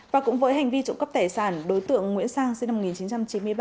và cũng với hành vi trộm cắp tài sản đối tượng nguyễn sang sinh năm một nghìn chín trăm chín mươi ba